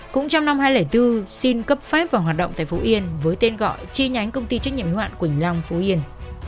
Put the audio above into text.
cũng trong năm hai nghìn bốn xin cấp phép và hoạt động tại phú yên với tên gọi chi nhánh công ty trách nhiệm hiệu hạn quỳnh long phú yên